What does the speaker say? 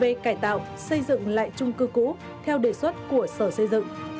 về cải tạo xây dựng lại trung cư cũ theo đề xuất của sở xây dựng